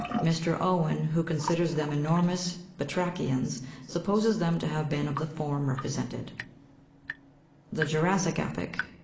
Mr. Owen, who considers them enormous batrachians, supposes them to have been of the form represented (Jig. 307). The jum'ssic epoch.